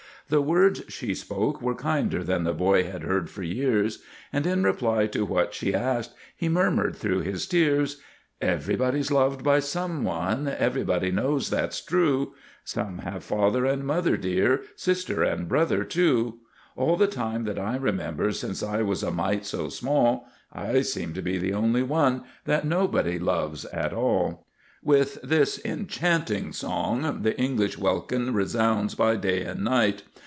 The words she spoke were kinder than the boy had heard for years; And in reply to what she asked, he murmur'd through his tears, Everybody's loved by some one, everybody knows that's true, Some have father and mother dear; sister and brother, too. All the time that I remember, since I was a mite so small, I seem to be the only one that nobody loves at all. With this enchanting song the English welkin resounds by day and night.